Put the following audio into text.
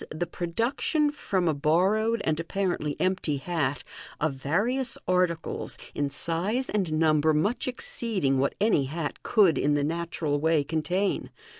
the production from a borrowed and apparently empty hat of various articles, in size and number much exceeding what any hat could in the natural way contain.